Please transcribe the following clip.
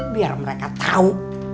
biar mereka tau